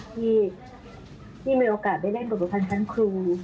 ที่มีโอกาสได้เล่นบทบุคคลทางครู